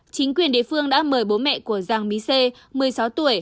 chính quyền địa phương đã mời bố mẹ của giang mỹ sê một mươi sáu tuổi